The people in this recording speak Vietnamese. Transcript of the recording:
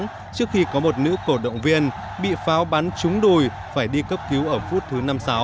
trước khi có một nữ cổ động viên bị pháo bắn trúng đùi phải đi cấp cứu ở phút thứ năm mươi sáu